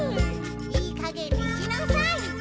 いいかげんにしなサイ。